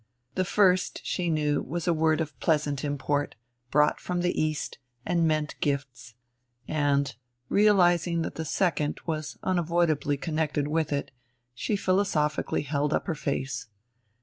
The first, she knew, was a word of pleasant import, brought from the East, and meant gifts; and, realizing that the second was unavoidably connected with it, she philosophically held up her face.